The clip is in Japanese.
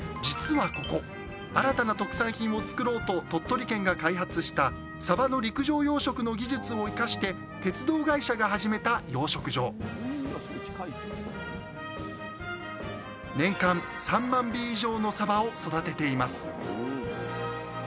実はここ新たな特産品を作ろうと鳥取県が開発したサバの陸上養殖の技術を生かして鉄道会社が始めた養殖場年間３万尾以上のサバを育てています。